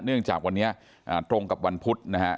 เนื่องจากวันนี้ตรงกับวันพุธนะฮะ